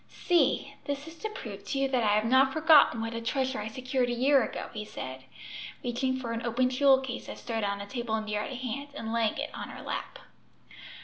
"See! this is to prove to you that I have not forgotten what a treasure I secured a year ago," he said, reaching for an open jewel case that stood on a table near at hand, and laying it in her lap.